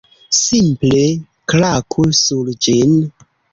Simple klaku sur ĝin